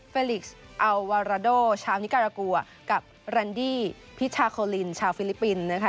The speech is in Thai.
ลิกซ์อัลวาราโดชาวนิการากัวกับแรนดี้พิชาโคลินชาวฟิลิปปินส์นะคะ